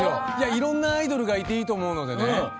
いろんなアイドルがいていいと思うので。